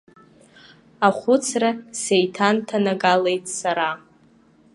Ахәыцра сеиҭанҭанагалеит сара.